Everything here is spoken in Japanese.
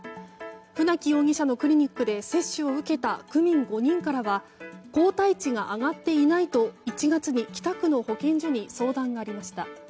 船木容疑者のクリニックで接種を受けた区民５人からは抗体値が上がっていないと１月に北区の保健所に相談がありました。